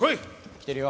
来てるよ！